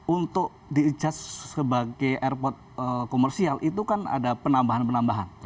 untuk di adjust sebagai airport komersial itu kan ada penambahan penambahan